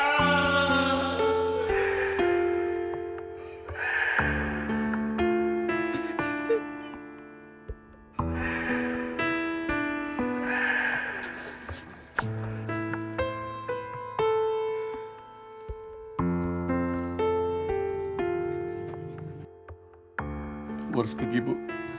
aku harus pergi bu